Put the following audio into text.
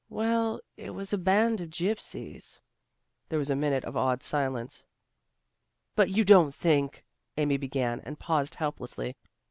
"Well, it was a band of gypsies." There was a minute of awed silence. "But you don't think " Amy began, and paused helplessly.